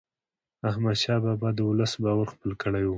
احمدشاه بابا د ولس باور خپل کړی و.